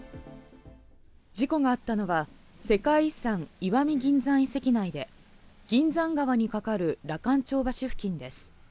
事故があったのは、世界遺産・石見銀山遺跡内で銀山川にかかる羅漢町橋付近です。